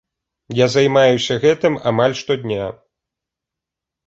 Я займаюся гэтым амаль штодня.